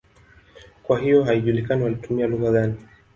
Kwa hiyo haijulikani walitumia lugha gani.